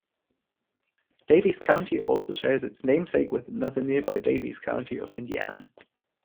Daviess County also shares its namesake with another nearby Daviess County of Indiana.